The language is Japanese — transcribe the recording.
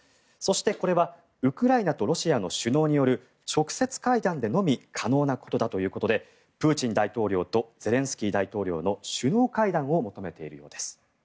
そして、これはウクライナとロシアの首脳による直接会談でのみ可能なことだということでプーチン大統領とゼレンスキー大統領の首脳会談を求めているようです。